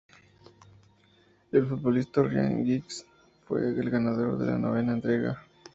El futbolista Ryan Giggs fue el ganador de la novena entrega.